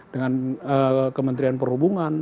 dengan kementerian perhubungan